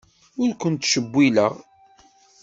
Ur ken-ttcewwileɣ.